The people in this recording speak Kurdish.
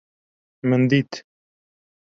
Min dît!